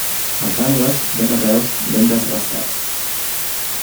Als angles hi ha carreus ben desbastats.